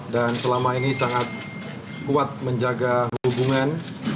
dan selama ini sangat kuat menjaga hubungan